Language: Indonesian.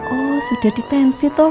oh sudah ditensi tuh